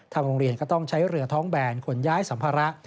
โรงเรียนก็ต้องใช้เรือท้องแบนขนย้ายสัมภาระ